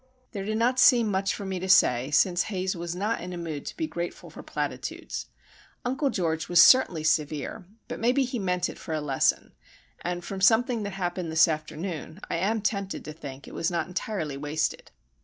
There did not seem much for me to say, since Haze was not in a mood to be grateful for platitudes. Uncle George was certainly severe, but maybe he meant it for a lesson; and from something that happened this afternoon I am tempted to think it was not entirely wasted.